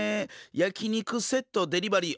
焼き肉セットデリバリー